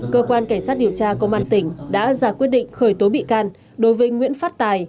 cơ quan cảnh sát điều tra công an tỉnh đã ra quyết định khởi tố bị can đối với nguyễn phát tài